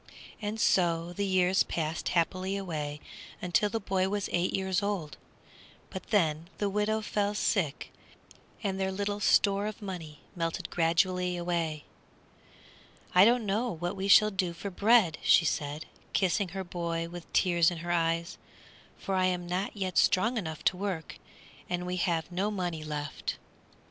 And so the years passed happily away till the boy was eight years old, but then the widow fell sick, and their little store of money melted gradually away. "I don't know what we shall do for bread," she said, kissing her boy with tears in her eyes, "for I am not yet strong enough to work, and we have no money left."